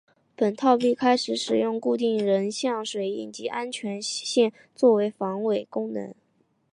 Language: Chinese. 本套币开始使用固定人像水印及安全线作为防伪功能。